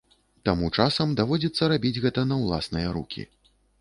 Таму часам даводзіцца рабіць гэта на ўласныя рукі.